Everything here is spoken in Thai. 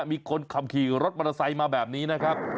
มีคนขับขี่รถมอเตอร์ไซค์มาแบบนี้นะครับ